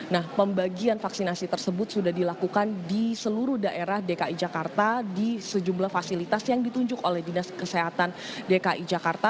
nah pembagian vaksinasi tersebut sudah dilakukan di seluruh daerah dki jakarta di sejumlah fasilitas yang ditunjuk oleh dinas kesehatan dki jakarta